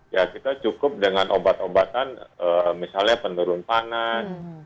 ya kita cukup dengan obat obatan misalnya penurun panas